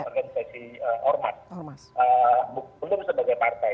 organisasi ormas belum sebagai partai